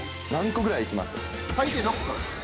最低６個です。